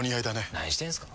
何してんすか。